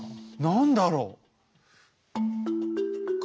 何だろう？